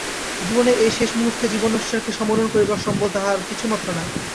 জীবনের এই শেষ মুহূর্তে জীবনেশ্বরকে সমরণ করিবার সম্বল তাহার কিছুমাত্র নাই।